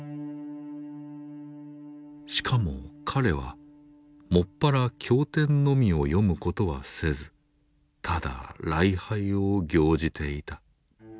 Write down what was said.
しかも彼は専ら経典のみを読むことはせずただ礼拝を行じていた。